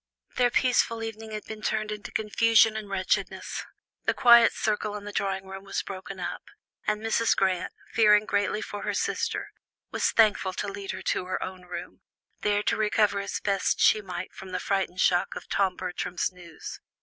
Their peaceful evening had been turned into confusion and wretchedness. The quiet circle in the drawing room was broken up, and Mrs. Grant, fearing greatly for her sister, was thankful to lead her to her own room, there to recover as best she might from the frightful shock of Tom Bertram's news.